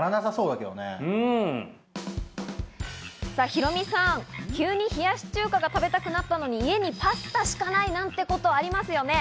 ヒロミさん、急に冷やし中華が食べたくなったのに、家にパスタしかないなんてことありますよね？